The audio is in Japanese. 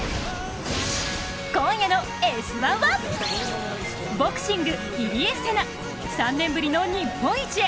今夜の「Ｓ☆１」は、ボクシング、入江聖奈３年ぶりの日本一へ。